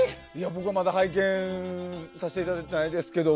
僕まだ拝見させていただいてないですけど。